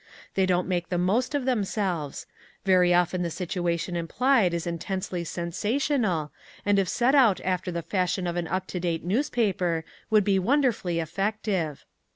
They don't make the most of themselves. Very often the situation implied is intensely sensational, and if set out after the fashion of an up to date newspaper, would be wonderfully effective.